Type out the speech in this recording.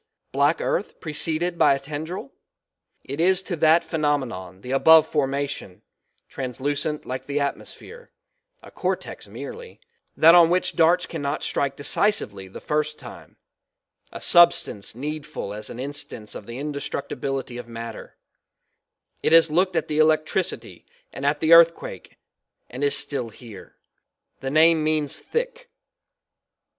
Black earth preceded by a tendril? It is to that phenomenon the above formation, translucent like the atmosphere a cortex merely that on which darts cannot strike decisively the first time, a substance needful as an instance of the indestructibility of matter; it has looked at the electricity and at the earth quake and is still here; the name means thick.